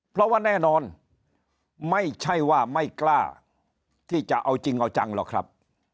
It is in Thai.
เพราะว่าแน่นอนไม่ใช่ว่าไม่กล้าที่จะเอาจริงเอาจังหรอกครับ